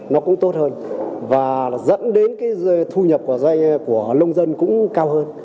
nó cũng tốt hơn và dẫn đến cái thu nhập của doanh nghiệp của lông dân cũng cao hơn